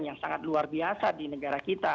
yang sangat luar biasa di negara kita